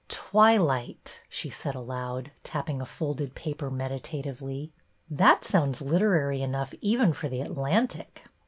' Twilight !'" she said aloud, tapping a folded paper meditatively. ''That sounds literary enough even for The Atlantic.